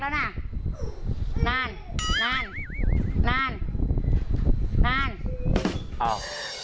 พี่เขาโกรธแล้วนะทำยังไงนะฮะ